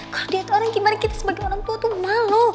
kalau dia tuh orang gimana kita sebagai orang tua tuh malu